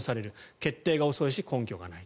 決定が遅いし根拠がない。